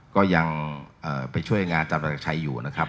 ก็ยังไปช่วยอาจารย์ประจักษ์ชัยอยู่ครับ